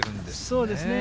そうですね。